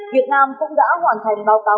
việt nam cũng đã hoàn thành báo cáo quốc gia